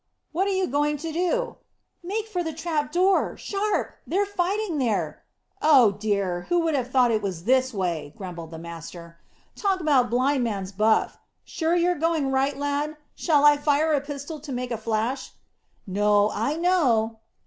"What are you going to do?" "Make for the trap door sharp! They're fighting there." "Oh, dear, who'd have thought it was this way!" grumbled the master. "Talk about blind man's buff! Sure you're going right, lad? Shall I fire a pistol to make a flash?" "No; I know."